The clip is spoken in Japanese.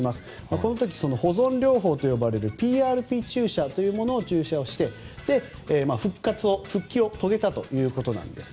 この時、保存療法と呼ばれるＰＲＰ注射と呼ばれるものを注射して復帰を遂げたんです。